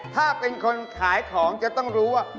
ถ้าเป็นคนขายของจะต้องรู้ว่า